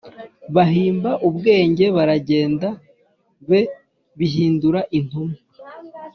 Bahimba ubwenge baragenda b hindura intumwa